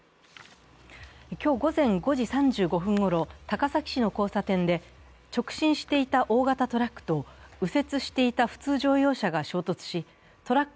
今日午前５時５３分ごろ高崎市の交差点で直進していた大型トラックと右折していた普通乗用車が衝突しトラック